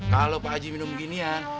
kalau pak haji minum ginian